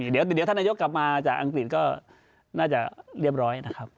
เดี๋ยวท่านนายกกลับมาจากอังกฤษก็น่าจะเรียบร้อยนะครับ